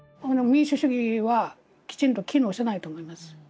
民主主義はきちんと機能してないと思います。